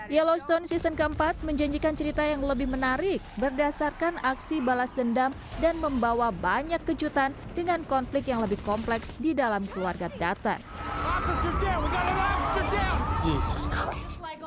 yellowstone season keempat menjanjikan cerita yang lebih menarik berdasarkan aksi balas dendam dan membawa banyak kejutan dengan konflik yang lebih kompleks di dalam keluarga dutton